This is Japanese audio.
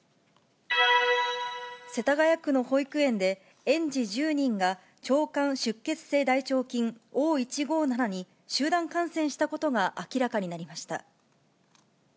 世田谷区の保育園で、園児１０人が、腸管出血性大腸菌・Ｏ１５７に集団感染したことが明らかになりました。